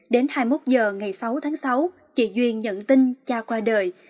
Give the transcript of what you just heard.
đến hai mươi một h ngày sáu tháng sáu chị duyên nhận tin cha qua đời